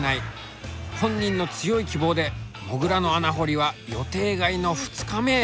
本人の強い希望でもぐらの穴掘りは予定外の２日目へ。